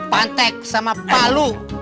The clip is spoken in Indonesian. pantek sama palu